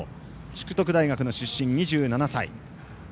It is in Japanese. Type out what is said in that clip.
淑徳大学出身、２７歳。